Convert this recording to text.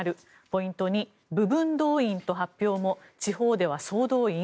ポイント２、部分動員と発表も地方では総動員？